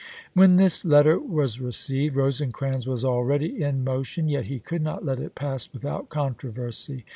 When this letter was received Rosecrans was al ready in motion, yet he could not let it pass with out controversy.